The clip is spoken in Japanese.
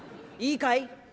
「いいかい？